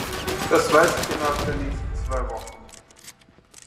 Das weiß ich innerhalb der nächsten zwei Wochen.